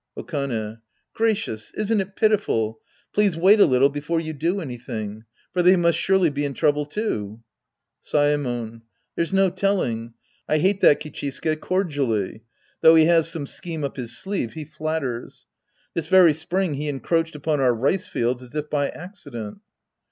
Okane. Gracious, isn't it pitiful ? Please wait a little before you do anything. For they must surely be in trouble, too. Saemon. There's no telling. I hate that Kiclii suke cordially. Though he has some scheme up his sleeve, he flatters. This ivery spring he encroached upon our rice fields as if by accident.